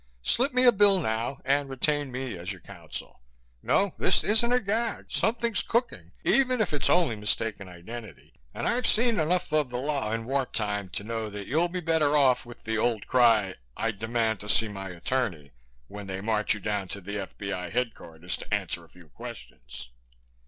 Slip me a bill now and retain me as your counsel. No, this isn't a gag. Something's cooking, even if it's only mistaken identity, and I've seen enough of the law in war time to know that you'll be better off with the old cry, 'I demand to see my attorney,' when they march you down to the F.B.I. headquarters to answer a few questions."